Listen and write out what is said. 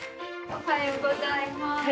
おはようございます。